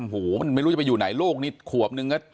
โอ้โหไม่รู้จะไปอยู่ไหนโลกนิดขวบนึง